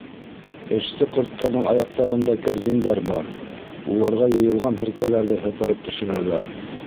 Эшсе ҡорттарҙың аяҡтарында кәрзиндәр бар, уларға йыйылған һеркәләрҙе һыпырып төшөрәләр.